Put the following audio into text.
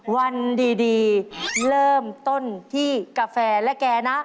วันดีเริ่มต้นที่กาแฟและแกนะ